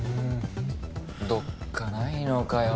どっかないのかよ